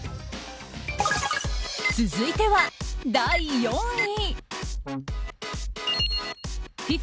続いては第４位。